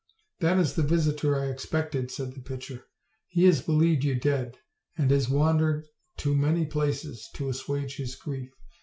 "That is the visitor I expected," said the pitcher; "he has believed you dead, and has wandered to many places to assuage his grief.